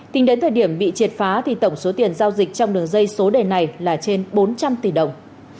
tính đến thời điểm bị triệt phá thì tổng số tiền giao dịch trong đường dây số đề này là trên bốn trăm linh tỷ đồng